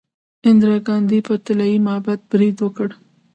اندرا ګاندي په طلایی معبد برید وکړ.